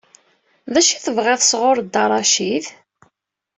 D acu i tebɣiḍ sɣur Dda Racid?